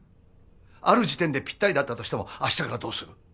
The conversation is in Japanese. ある時点でぴったりだったとしてもあしたからどうする？